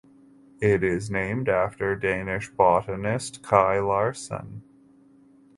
It is named after Danish botanist Kai Larsen.